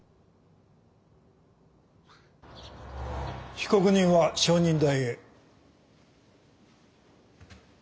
被告人は証人台へ。